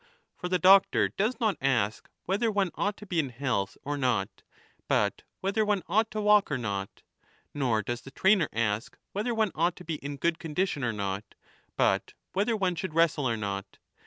For the 25 doctor does not ask whether one ought to be in health or not, but whether one ought to walk or not ; nor does the trainer ask whether one ought to be in good condition or not, but whether one should wrestle or not.